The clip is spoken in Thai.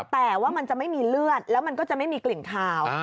แต่ว่ามันจะไม่มีเลือดแล้วมันก็จะไม่มีกลิ่นคาว